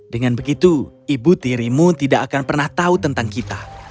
dengan begitu ibu tirimu tidak akan pernah tahu tentang kita